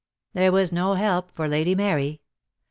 There was no help for Lady Mary.